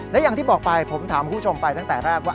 และอย่างที่บอกไปผมถามคุณผู้ชมไปตั้งแต่แรกว่า